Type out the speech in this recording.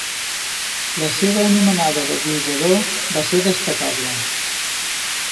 La seva anomenada de glosador va ser destacable.